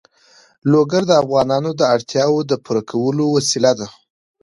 لوگر د افغانانو د اړتیاوو د پوره کولو وسیله ده.